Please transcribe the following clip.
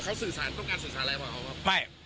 เขาสื่อสารต้องการสื่อสารอะไรบอกเขาครับ